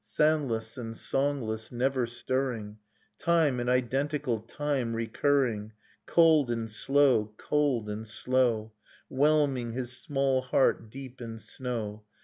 Soundless^ and songless, never stirring, Time and identical tirpe recurring. Cold and slow, cold and slow. Whelming his small heart deep in snow.